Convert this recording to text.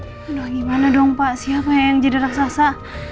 waduh gimana dong pak siapa yang jadi raksasa